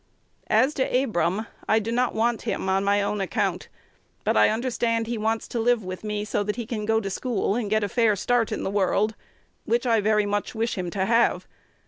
As to Abram, I do not want him, on my own account; but I understand he wants to live with me, so that he can go to school, and get a fair start in the world, which I very much wish him to have.